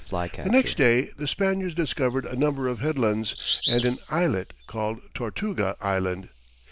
The next day the Spaniards discovered a number of headlands, and an islet, called Tortuga Island.